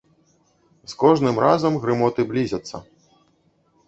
З кожным разам грымоты блізяцца.